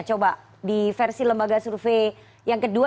coba di versi lembaga survei yang kedua